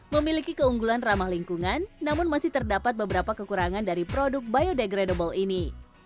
memiliki keunggulan ramah lingkungan namun masih terdapat beberapa kekurangan dari produk biodegradable ini